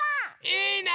いいね！